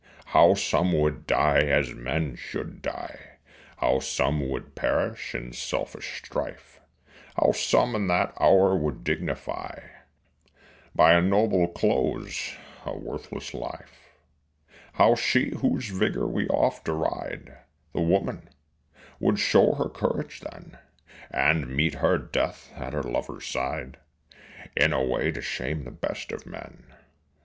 How some would die as men should die, How some would perish in selfish strife, How some in that hour would dignify By a noble close a worthless life. How she whose vigor we oft deride The woman would show her courage then, And meet her death at her lover's side In a way to shame the best of men.